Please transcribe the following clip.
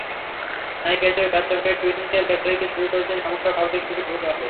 নায়িকা হিসেবে ব্যর্থ হয়ে টুইংকেল লেখালেখি শুরু করেছেন—এমনটা ভাবলে কিন্তু ভুল হবে।